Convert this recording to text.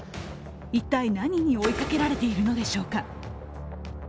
一体、何に追いかけられているのでしょうか。